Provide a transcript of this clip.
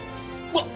わっ！